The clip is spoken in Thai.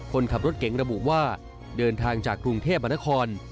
คนขับรถเก๋งระบุว่าเดินทางจากกรุงเทพมนคร